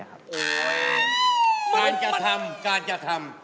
การกระทำ